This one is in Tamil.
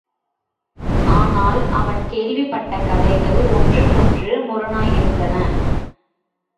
ஆனால் அவன் கேள்விப்பட்ட கதைகள் ஒன்றுக்கொன்று முரணாயிருந்தன.